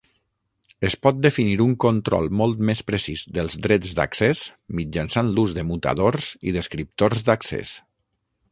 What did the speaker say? Es pot definir un control molt més precís dels drets d'accés mitjançant l'ús de mutadors i descriptors d'accés.